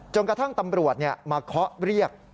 กระทั่งตำรวจมาเคาะเรียก